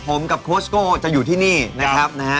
ผมกับโคสโก้จะอยู่ที่นี่นะครับ